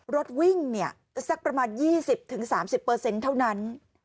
รถวิ่งเนี่ยสักประมาณ๒๐๓๐เปอร์เซ็นต์เท่านั้น